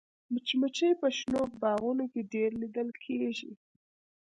مچمچۍ په شنو باغونو کې ډېره لیدل کېږي